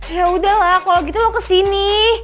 yaudah lah kalo gitu lo kesini